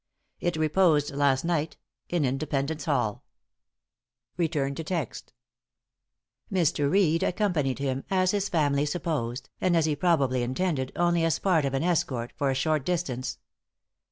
It reposed last night in Independence Hall." Mr. Reed accompanied him, as his family supposed, and as he probably intended, only as part of an escort, for a short distance.